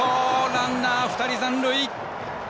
ランナー、２人残塁。